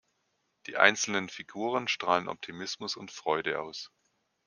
Die einzelnen Figuren strahlen Optimismus und Freude aus.